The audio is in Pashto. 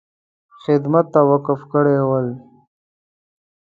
خدمت ته وقف کړي ول.